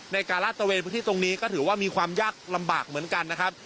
ลาดตระเวนพื้นที่ตรงนี้ก็ถือว่ามีความยากลำบากเหมือนกันนะครับ